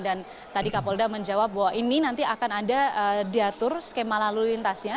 dan tadi kapolda menjawab bahwa ini nanti akan ada diatur skema lalu lintasnya